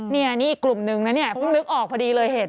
นี่อีกกลุ่มนึงนะเนี่ยเพิ่งนึกออกพอดีเลยเห็น